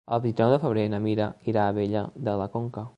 El vint-i-nou de febrer na Mira irà a Abella de la Conca.